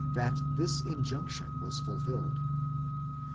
that this in junction was fulfilled.